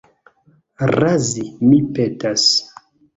Razi, mi petas.